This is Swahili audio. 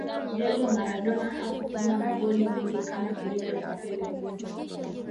diego maradona hakufunga magoli mengi kama ilivyo kwa pele